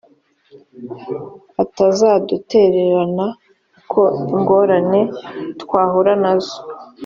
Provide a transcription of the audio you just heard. atazadutererana uko ingorane twahura na zo